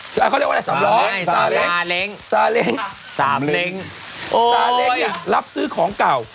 เขาเรียกว่าอะไรสาเล็งสาเล็งรับซื้อของเก่า